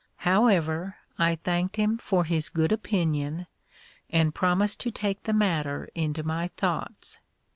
However, I thanked him for his good opinion, and promised to take the matter into my thoughts.